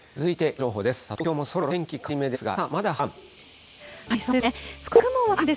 続いて気象情報です。